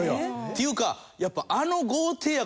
っていうかやっぱ。